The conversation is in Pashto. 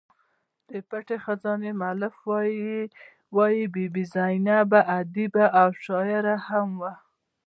د پټې خزانې مولف وايي بي بي زینب ادیبه او شاعره هم وه.